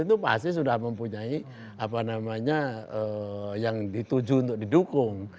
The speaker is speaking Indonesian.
itu pasti sudah mempunyai apa namanya yang dituju untuk didukung